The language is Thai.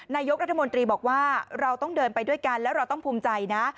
นายกรัฐมนตรีบอกว่าเราต้องเดินไปด้วยกันแล้วเราต้องภูมิใจนะ